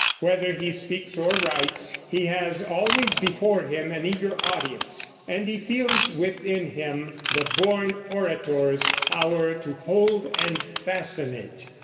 Whether he speaks or writes, he has always before him an eager audience, and he feels within him the born orator's power to hold and fascinate.